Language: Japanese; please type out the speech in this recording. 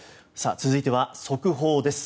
続いては速報です。